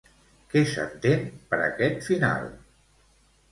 Què s'entén per aquest final?